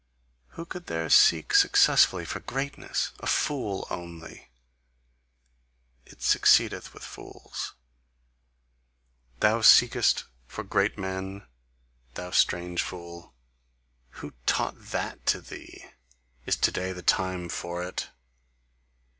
Who could there seek successfully for greatness! A fool only: it succeedeth with fools. Thou seekest for great men, thou strange fool? Who TAUGHT that to thee? Is to day the time for it?